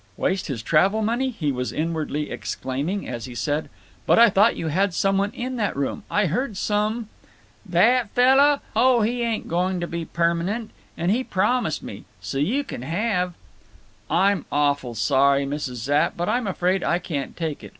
"Waste his travel money?" he was inwardly exclaiming as he said: "But I thought you had some one in that room. I heard som—" "That fellow! Oh, he ain't going to be perm'nent. And he promised me—So you can have—" "I'm awful sorry, Mrs. Zapp, but I'm afraid I can't take it.